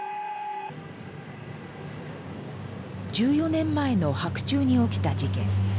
１４年前の白昼に起きた事件。